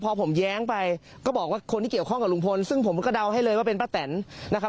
พอผมแย้งไปก็บอกว่าคนที่เกี่ยวข้องกับลุงพลซึ่งผมก็เดาให้เลยว่าเป็นป้าแตนนะครับ